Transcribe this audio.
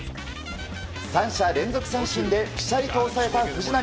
３者連続三振でぴしゃりと抑えた藤浪。